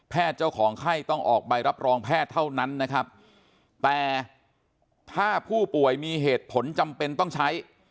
เจ้าของไข้ต้องออกใบรับรองแพทย์เท่านั้นนะครับแต่ถ้าผู้ป่วยมีเหตุผลจำเป็นต้องใช้